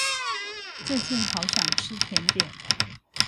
最近好想吃甜點